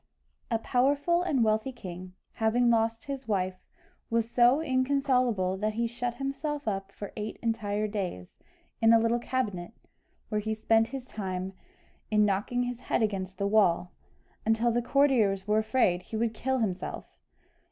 A powerful and wealthy king, having lost his wife, was so inconsolable, that he shut himself up for eight entire days, in a little cabinet, where he spent his time in knocking his head against the wall, until the courtiers were afraid he would kill himself!